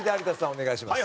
お願いします。